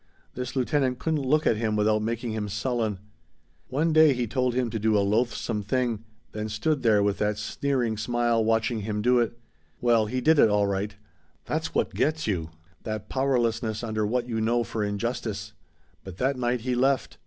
This lieutenant couldn't look at him without making him sullen. "One day he told him to do a loathsome thing, then stood there with that sneering smile watching him do it. Well, he did it, all right; that's what gets you, that powerlessness under what you know for injustice. But that night he left.